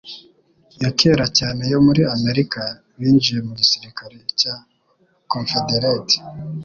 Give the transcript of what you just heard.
ya kera cyane yo muri Amerika binjiye mu gisirikare cya Confederate